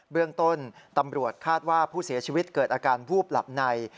เรื่องต้นตำรวจคาดว่าผู้เสียชีวิตเกิดอาการวูบหลับใน